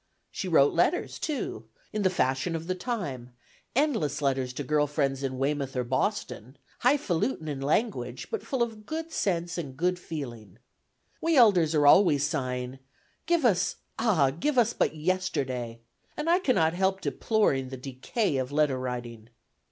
She wrote letters, too, in the fashion of the time; endless letters to girl friends in Weymouth or Boston, "hifalutin" in language, but full of good sense and good feeling. We elders are always sighing, "Give us, ah! give us but yesterday!" and I cannot help deploring the decay of letter writing.